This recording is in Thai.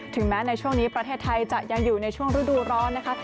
แม้ในช่วงนี้ประเทศไทยจะยังอยู่ในช่วงฤดูร้อนนะคะ